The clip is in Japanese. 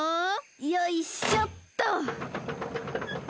よいしょっと。